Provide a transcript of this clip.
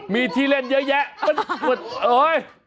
มีที่เล่นเยอะแยะมันโอ๊ย